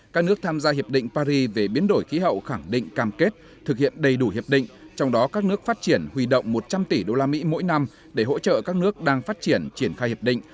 các nước tham gia hiệp định paris về biến đổi khí hậu khẳng định cam kết thực hiện đầy đủ hiệp định trong đó các nước phát triển huy động một trăm linh tỷ usd mỗi năm để hỗ trợ các nước đang phát triển triển khai hiệp định